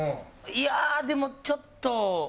いやでもちょっと。